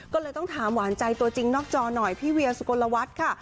ก็เลยต้องถามหวานใจตัวจริงนอกจอหน่อยพี่เวียสุกลวัฒน์ค่ะ